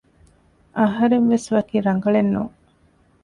އަހަރެންވެސް ވަކި ރަނގަޅެއް ނޫން